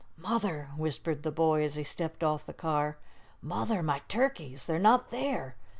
"Mother," whispered the boy, as he stepped off the car, "Mother, my turkeys! They're not there!